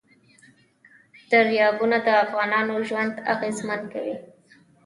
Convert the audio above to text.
دریابونه د افغانانو ژوند اغېزمن کوي.